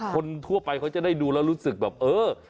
คนทั่วไปเขาจะได้ดูแล้วรู้สึกแบบเออ